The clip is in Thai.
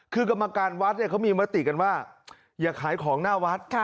คือกรรมการวัดเนี่ยเขามีมติกันว่าอย่าขายของหน้าวัด